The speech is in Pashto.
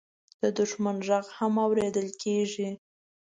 د دښمن غږ هم اورېدل کېږي.